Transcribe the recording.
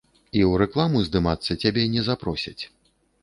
І ў рэкламу здымацца цябе не запросяць.